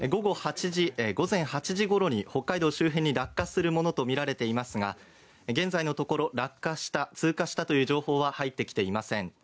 午前８時ごろに北海道周辺に落下するものとみられていますが現在のところ、落下した通過したという情報は入ってきておりません。